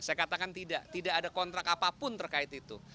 saya katakan tidak tidak ada kontrak apapun terkait itu